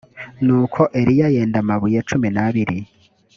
nuko eliya yenda amabuye cumi n’abiri